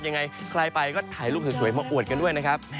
ยังไงใครไปก็ถ่ายรูปสวยมาอวดกันด้วยนะครับ